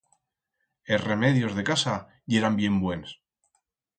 Es remedios de casa yeran bien buens.